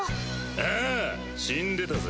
ああ死んでたぜ。